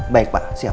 baik pak siap